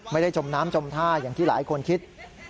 จมน้ำจมท่าอย่างที่หลายคนคิด